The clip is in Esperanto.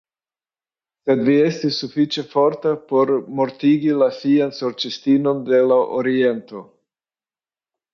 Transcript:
Sed vi estis sufiĉe forta por mortigi la fian Sorĉistinon de la Oriento?